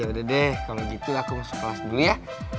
yaudah deh kalo gitu aku masuk kelas dulu ya